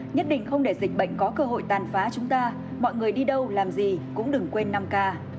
nhất định không để dịch bệnh có cơ hội tàn phá chúng ta mọi người đi đâu làm gì cũng đừng quên năm ca